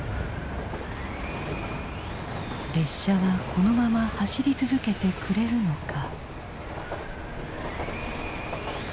列車はこのまま走り続けてくれるのか。